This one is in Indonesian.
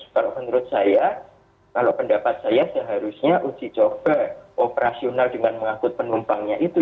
kalau menurut saya kalau pendapat saya seharusnya uji coba operasional dengan mengangkut penumpangnya itu